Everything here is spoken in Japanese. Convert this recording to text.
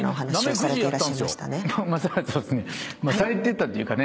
されてたっていうかね